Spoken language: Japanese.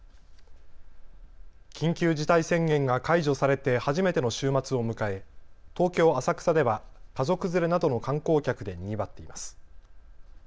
緊急事態宣言が解除されて初めての週末を迎え東京浅草では家族連れなどの観光客でにぎわっています。